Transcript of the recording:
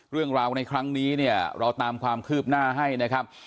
เรื่องราวในครั้งนี้เนี่ยเราตามความคืบหน้าให้นะครับ